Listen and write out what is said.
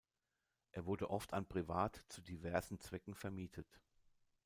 Er wurde oft an privat zu diversen Zwecken vermietet.